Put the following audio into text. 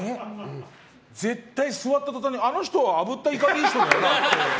絶対座った途端に、あの人はあぶったイカでいい人だよなって。